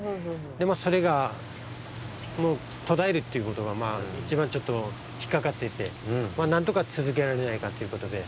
それがもうとだえるっていうことがいちばんちょっとひっかかっててなんとかつづけられないかっていうことで。